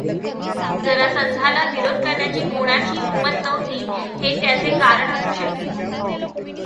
जरासंधाला विरोध करण्याची कोणाची हिंमत नव्हती हे त्याचे कारण असू शकेल.